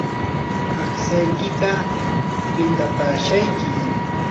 aqtsaykita piltapaashayki.